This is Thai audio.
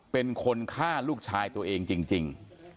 เป็นคนฆ่าลูกชายตัวเองจริง